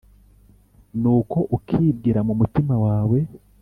nuko ukibwira mu mutima wawe